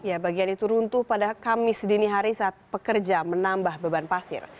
ya bagian itu runtuh pada kamis dini hari saat pekerja menambah beban pasir